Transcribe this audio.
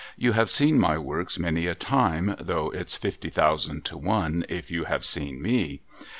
You have seen my works many a time, though it's fifty thousand to one if you have seen me.